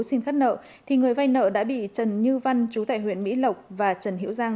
xin khắt nợ thì người vay nợ đã bị trần như văn chú tại huyện mỹ lộc và trần hiễu giang